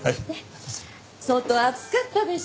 外暑かったでしょ？